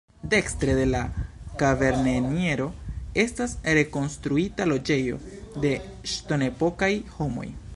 Dekstre de la kavernenirejo estas rekonstruita loĝejo de ŝtonepokaj homoj.